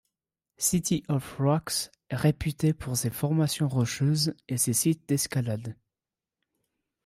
City of Rocks est réputé pour ses formations rocheuses et ses sites d'escalades.